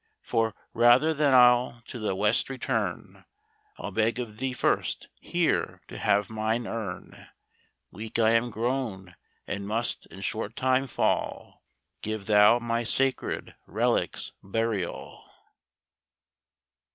For, rather than I'll to the west return, I'll beg of thee first here to have mine urn. Weak I am grown, and must in short time fall; Give thou my sacred reliques burial.